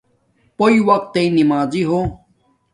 پوݵ وقت تݵ نمازی ہو